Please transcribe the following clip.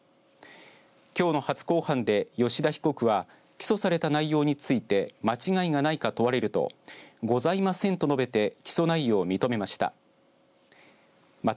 きょうの初公判で吉田被告は起訴された内容について間違いがないか問われるとございませんと述べて起訴内容を認めました。